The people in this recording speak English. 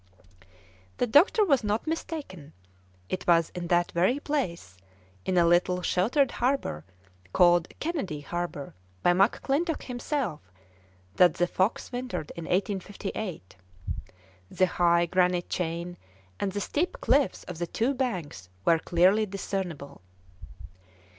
The doctor was not mistaken. It was in that very place, in a little sheltered harbour called Kennedy Harbour by McClintock himself, that the Fox wintered in 1858. The high granite chain and the steep cliffs of the two banks were clearly discernible.